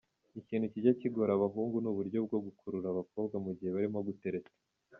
Ikintu kijya kigora abahungu ni uburyo bwo gukurura abakobwa mu gihe barimo gutereta.